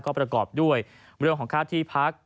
ก็ประกอบด้วยเรื่องของค่าที่พัก